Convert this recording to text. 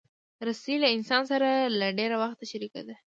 رسۍ له انسان سره له ډېر وخته شریکه ده.